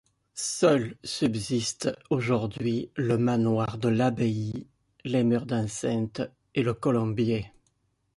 Seuls subsistent, aujourd'hui, le manoir de l'abbaye, les murs d'enceinte et le colombier.